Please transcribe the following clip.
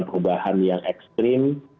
perubahan yang ekstrim